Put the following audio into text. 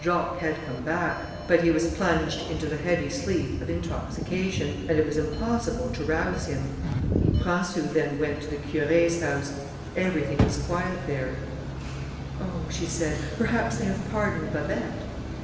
Jacques had come back, but he was plunged into the heavy sleep of intoxication, and it was impossible to rouse him. Françou then went to the Curé's house; everything was quiet there. "Oh," she said, "perhaps they have pardoned Babet."